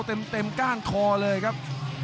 โอ้โหเดือดจริงครับ